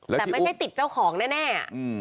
แต่ไม่ใช่ติดเจ้าของแน่